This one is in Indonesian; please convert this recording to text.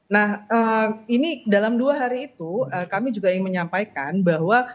nah ini dalam dua hari itu kami juga ingin menyampaikan bahwa